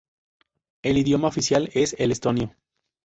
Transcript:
El idioma oficial es el estonio.